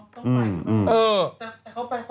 ต้องไป